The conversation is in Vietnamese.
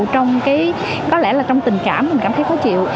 trong cái có lẽ là trong tình cảm mình cảm thấy khó chịu